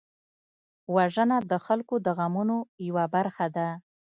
وژنه د خلکو د غمونو یوه برخه ده